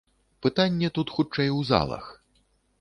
Пытанне тут, хутчэй, у залах.